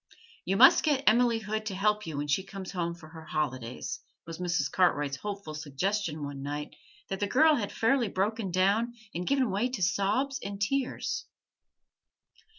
'You must get Emily Hood to help you when she comes home for her holidays,' was Mrs. Cartwright's hopeful suggestion one night that the girl had fairly broken down and given way to sobs and tears.